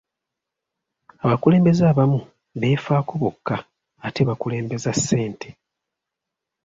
Abakulembeze abamu beefaako bokka ate bakulembeza ssente.